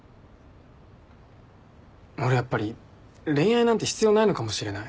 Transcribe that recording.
俺やっぱり恋愛なんて必要ないのかもしれない。